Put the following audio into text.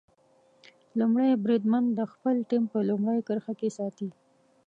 لومړی بریدمن د خپله ټیم په لومړۍ کرښه کې ساتي.